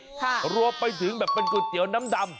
ค่ะรวมไปถึงแบบเป็นก๋วยเตี๋ยวน้ำดำ